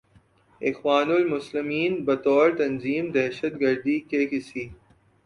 اخوان المسلمین بطور تنظیم دہشت گردی کے کسی